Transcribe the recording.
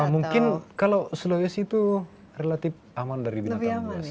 mungkin kalau sulawesi itu relatif aman dari binatang buas